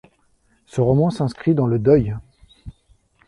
Ce roman s’inscrit dans le deuil.